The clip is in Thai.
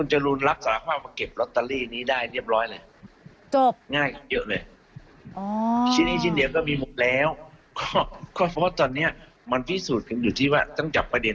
อ๋อหมายถึงถ้ามีคำรับสารภาพรุงจรุณใช่ไหม